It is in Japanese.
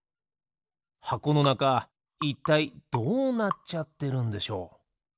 はこのなかいったいどうなっちゃってるんでしょう？